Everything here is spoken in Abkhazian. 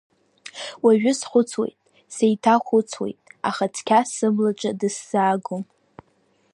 Уажә схәыцуеит, сеиҭахәыцуеит, аха цқьа сыблаҿы дысзаагом.